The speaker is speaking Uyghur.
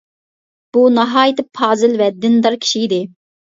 بۇ ناھايىتى پازىل ۋە دىندار كىشى ئىدى.